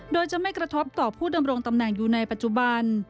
โดยจะไม่กระทบต่อผู้ดำรงตำแหน่งอยู่ในปัจจุบัน